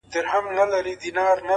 لوړ همت اوږده لارې لنډوي!